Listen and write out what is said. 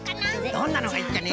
どんなのがいいかね？